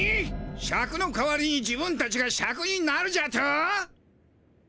シャクの代わりに自分たちがシャクになるじゃと？